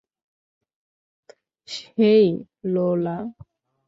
হেই, লোলা।